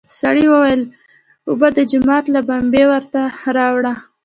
سړي وويل: اوبه د جومات له بمبې ورته راوړه!